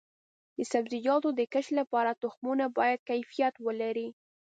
د سبزیجاتو د کښت لپاره تخمونه باید کیفیت ولري.